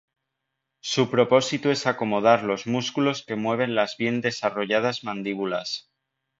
Su propósito es acomodar los músculos que mueven las bien desarrolladas mandíbulas.